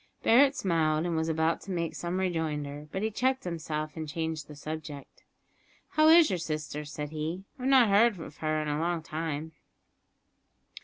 Barret smiled, and was about to make some rejoinder, but he checked himself and changed the subject. "How is your sister?" said he, "I have not heard of her for a long time."